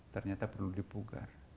ternyata perlu dipugar